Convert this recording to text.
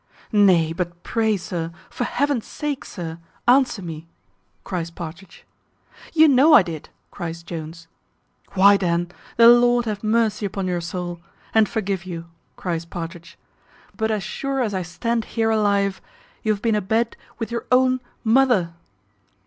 "Nay, but pray, sir, for Heaven's sake, sir, answer me," cries Partridge. "You know I did," cries Jones. "Why then, the Lord have mercy upon your soul, and forgive you," cries Partridge; "but as sure as I stand here alive, you have been a bed with your own mother."